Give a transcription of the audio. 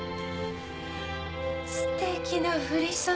すてきな振り袖。